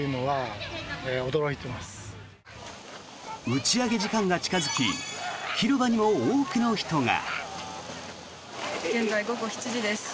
打ち上げ時間が近付き広場にも多くの人が。